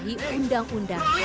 banyak yang menanggapi undang undang